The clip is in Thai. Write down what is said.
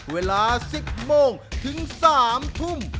เวลา๑๐โมงถึง๓ทุ่ม